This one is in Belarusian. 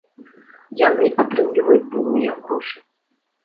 Яны атрымліваюць буйныя грошы.